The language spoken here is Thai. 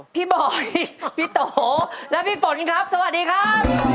บอยพี่โตและพี่ฝนครับสวัสดีครับ